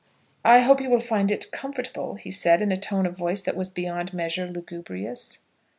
"I hope you will find it comfortable," he said, in a tone of voice that was beyond measure lugubrious.